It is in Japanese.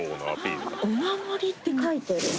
「おまもり」って書いてある。